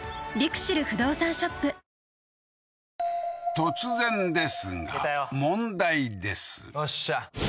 突然ですが問題です